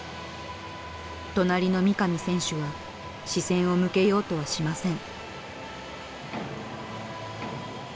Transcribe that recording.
隣の三上選手は視線を向けようとはしません。